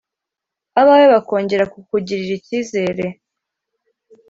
abawe bakongera kukugirira icyizere